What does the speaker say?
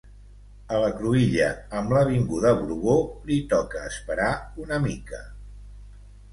A la cruïlla amb l'Avinguda Borbó li toca esperar una mica.